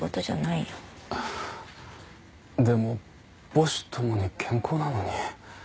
でも母子ともに健康なのに。